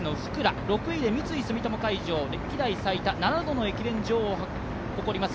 ６位で三井住友海上、７度の駅伝女王を誇ります